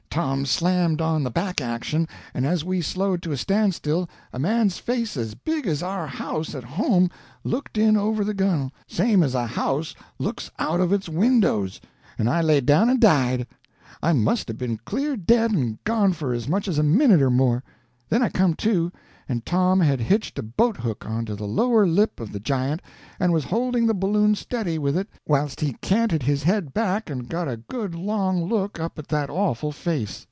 Tom slammed on the back action, and as we slowed to a standstill a man's face as big as our house at home looked in over the gunnel, same as a house looks out of its windows, and I laid down and died. I must 'a' been clear dead and gone for as much as a minute or more; then I come to, and Tom had hitched a boat hook on to the lower lip of the giant and was holding the balloon steady with it whilst he canted his head back and got a good long look up at that awful face.